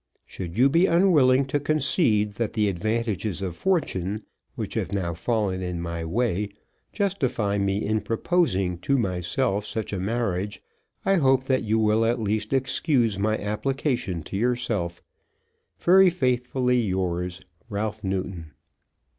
Should you be unwilling to concede that the advantages of fortune which have now fallen in my way justify me in proposing to myself such a marriage, I hope that you will at least excuse my application to yourself. Very faithfully yours, RALPH NEWTON.